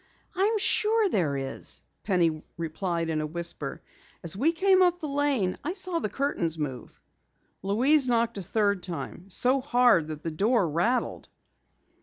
"I'm sure there is," Penny replied in a whisper. "As we came up the lane, I saw the curtains move." Louise knocked a third time, so hard that the door rattled.